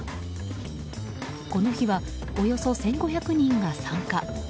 この日はおよそ１５００人が参加。